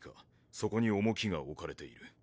そこに重きが置かれている。